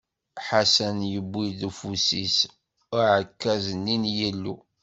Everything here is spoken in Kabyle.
Ḥasan yewwi deg ufus-is aɛekkaz-nni n Yillu.